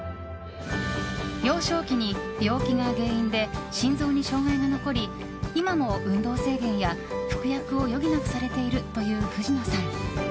幼少期に病気が原因で心臓に障害が残り今も運動制限や服薬を余儀なくされているという藤野さん。